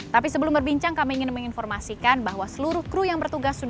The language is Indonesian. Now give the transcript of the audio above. tapi sebelum berbincang kami ingin menginformasikan bahwa seluruh kru yang bertugas